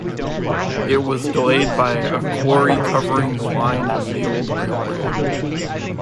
It was delayed by a quarry covering the line of the old railway.